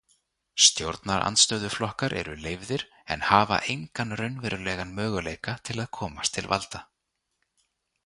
Stjórnarandstöðuflokkar eru leyfðir en hafa engan raunverulegan möguleika til að komast til valda.